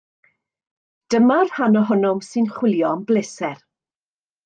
Dyma'r rhan ohonom sy'n chwilio am bleser